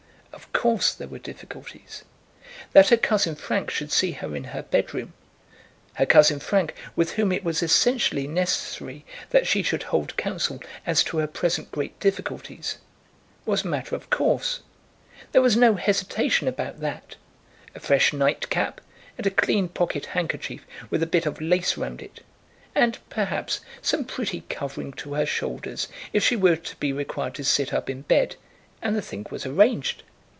Of course there were difficulties. That her cousin Frank should see her in her bedroom, her cousin Frank, with whom it was essentially necessary that she should hold counsel as to her present great difficulties, was a matter of course. There was no hesitation about that. A fresh nightcap, and a clean pocket handkerchief with a bit of lace round it, and, perhaps, some pretty covering to her shoulders if she were to be required to sit up in bed, and the thing was arranged.